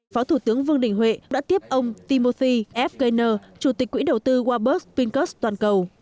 phó thủ tướng vương đình huệ đã tiếp ông timothy f gaynor chủ tịch quỹ đầu tư warburg pincus toàn cầu